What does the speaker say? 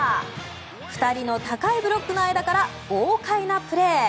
２人の高いブロックの間から豪快なプレー。